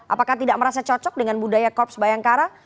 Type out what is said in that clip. apakah tidak merasa cocok dengan budaya korps bayangkara